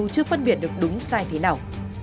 chưa phân biệt được đúng sai thế nào